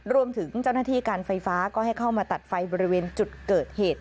รวมถึงเจ้าหน้าที่การไฟฟ้าก็ให้เข้ามาตัดไฟบริเวณจุดเกิดเหตุ